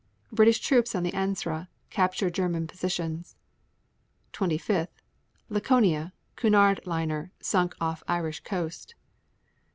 British troops on the Ancre capture German positions. 25. Laconia, Cunard liner, sunk off Irish coast.